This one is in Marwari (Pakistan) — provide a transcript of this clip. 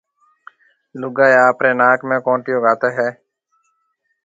لوگائيَ آپريَ ناڪ ۾ ڪونٽيو گھاتيَ ھيََََ